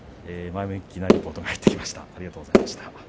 前向きなリポートが入ってきました。